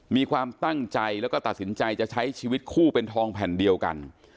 มีความตั้งใจแล้วก็ตัดสินใจจะใช้ชีวิตคู่เป็นทองแผ่นเดียวกัน